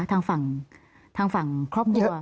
ทางฝั่งครอบครัว